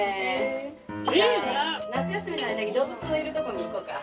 夏休みの間に動物いるとこに行こうか。